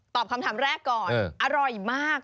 คำถามแรกก่อนอร่อยมาก